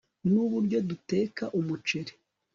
Nuburyo duteka umuceri